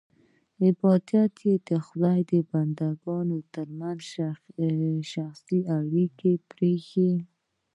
عبادت یې د خدای او بندګانو ترمنځ شخصي اړیکه پرېښی.